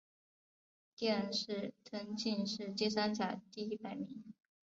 殿试登进士第三甲第一百名。